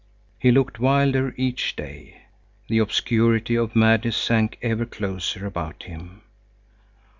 He looked wilder each day. The obscurity of madness sank ever closer about him.